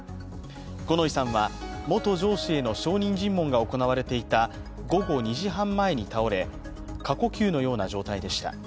五ノ井さんは、元上司への証人尋問が行われていた午後２時半前に倒れ、過呼吸のような状態でした。